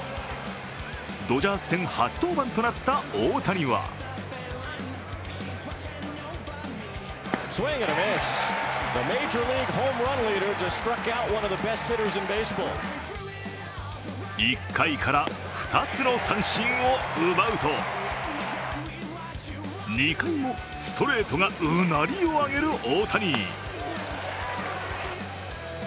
ドジャース戦初登板となった大谷は１回から２つの三振を奪うと２回もストレートがうなりを上げる大谷。